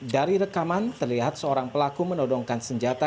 dari rekaman terlihat seorang pelaku menodongkan senjata